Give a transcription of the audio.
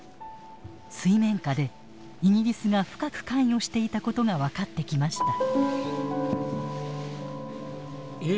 水面下でイギリスが深く関与していたことが分かってきました。